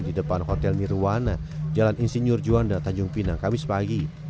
di depan hotel mirwana jalan insinyur juanda tanjung pinang kamis pagi